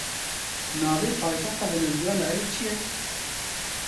Navê paytexta Venezuelayê çi ye?